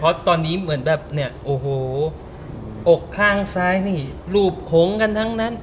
เพราะตอนนี้เหมือนแบบเนี่ยโอ้โหอกข้างซ้ายนี่รูปหงกันทั้งนั้น